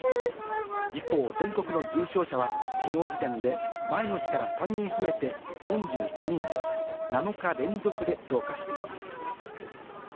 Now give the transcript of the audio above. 一方、全国の重症者はきのう時点で前の日から３人増えて４９人で、７日連続で増加しています。